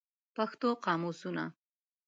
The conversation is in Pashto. پښتو قاموسونه